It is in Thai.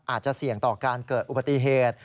อาจจะเสี่ยงต่อการเกิดอุบัติเหตุ